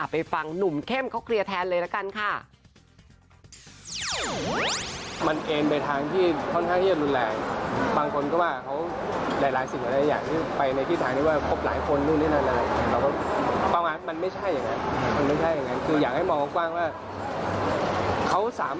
ไปฟังหนุ่มเข้มเขาเคลียร์แทนเลยละกันค่ะ